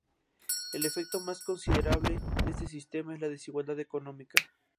El efecto más considerable de este sistema es la desigualdad económica.